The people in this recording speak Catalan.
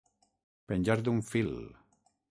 Penjar d'un fil.